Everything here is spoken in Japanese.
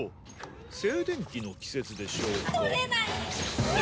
静電気の季節でしょうか？